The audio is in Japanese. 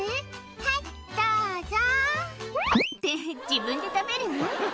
「はいどうぞ」って自分で食べるの？